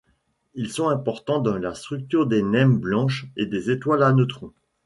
Ils sont importants dans la structure des naines blanches et des étoiles à neutrons.